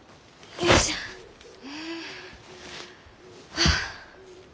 はあ。